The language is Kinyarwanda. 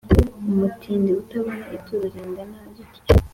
Umutindi utabona ituro ringana rityo,